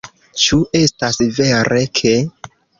Ĉu estas vere ke...?